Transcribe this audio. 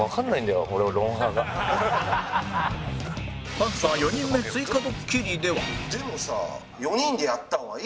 パンサー４人目追加ドッキリでは